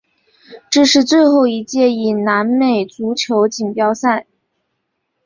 这是最后一届以南美足球锦标赛。